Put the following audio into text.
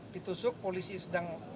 ditusuk polisi sedang